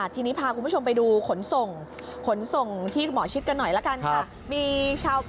ทีนี้พาคุณผู้ชมไปดูขนส่งขนส่งที่หมอชิดกันหน่อยละกันค่ะ